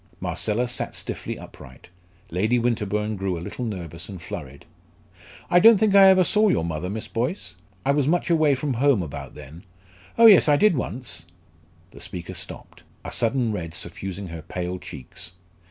Marcella sat stiffly upright. Lady Winterbourne grew a little nervous and flurried. "I don't think I ever saw your mother, Miss Boyce I was much away from home about then. Oh, yes, I did once " The speaker stopped, a sudden red suffusing her pale cheeks.